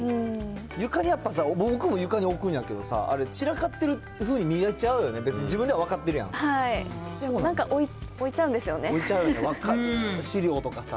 床にやっぱさ、僕も床におくんだけどさ、あれ散らかってる風に見えちゃうよね、別に自分では分かってるやでもなんか置いちゃうんです置いちゃうよね、資料とかさ。